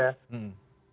ada yang risiko rendah